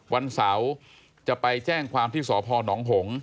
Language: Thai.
วันเสาร์จะไปแจ้งความที่สอบพอร์หนองหงษ์